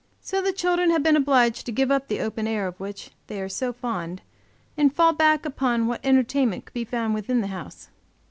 So the children have been obliged to give up the open air, of which they are so fond, and fall back upon what entertainment could be found within the house.